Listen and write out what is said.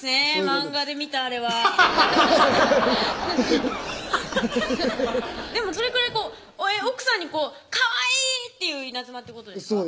漫画で見たあれはハハハハハッハハッでもそれくらいこう奥さんに「かわいい！」っていう稲妻ってことですか？